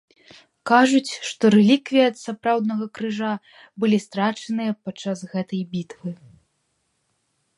Кажуць, што рэліквіі ад сапраўднага крыжа былі страчаныя падчас гэтай бітвы.